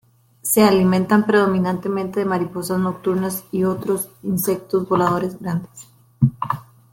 Se alimentan predominantemente de mariposas nocturnas y otros insectos voladores grandes.